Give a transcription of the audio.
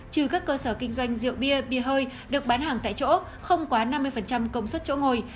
trừ các cơ sở kinh doanh rượu bia bia hơi được bán hàng tại chỗ không quá năm mươi công suất chỗ ngồi